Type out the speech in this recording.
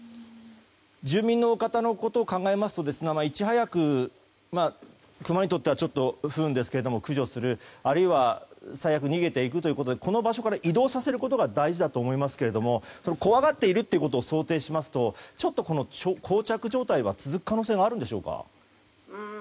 住民の方のことを考えますといち早く、クマにとっては不運ですけども駆除する、あるいは最悪逃げていくということでこの場所から移動させることが大事だと思いますけども怖がっているということを想定しますと膠着状態が続く可能性はあるんですか？